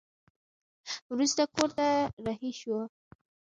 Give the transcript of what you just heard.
وروسته کور ته رهي شوه.